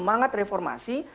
dari semangat reformasi